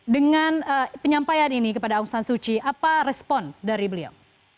dengan penyampaian ini kepada aung san suci apa respon dari beliau